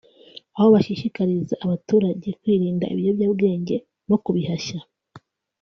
aho bashishikariza abaturage kwirinda ibiyobyabwenge no kubihashya